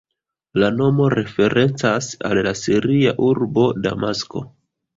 La nomo referencas al la siria urbo Damasko.